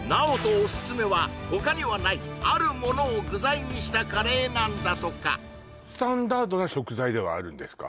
オススメは他にはないあるものを具材にしたカレーなんだとかスタンダードな食材ではあるんですか？